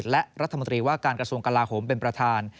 และรัฐมนตรีว่าการกระทรวงกลาโหมเป็นประธาน